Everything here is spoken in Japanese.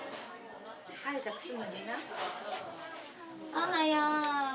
おはよう。